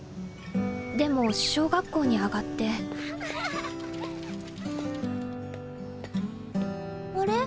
でも小学校にあがってあれ？